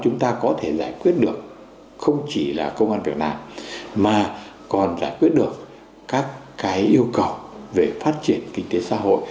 chúng ta có thể giải quyết được không chỉ là công an việt nam mà còn giải quyết được các cái yêu cầu về phát triển kinh tế xã hội